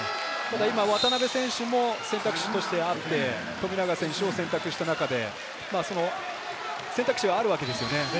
渡邊選手も選択肢としてあって、富永選手を選択した中で、選択肢はあるわけですね。